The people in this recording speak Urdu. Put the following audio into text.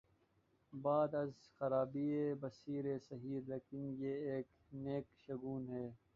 بعد از خرابیء بسیار سہی، لیکن یہ ایک نیک شگون ہے۔